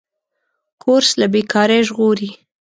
کورس له بېکارۍ ژغوري.